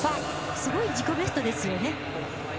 すごい自己ベストですよね。